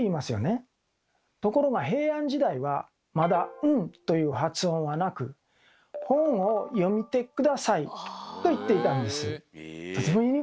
ところが平安時代はまだ「ん」という発音はなく「本を読みてください」と言っていたんです。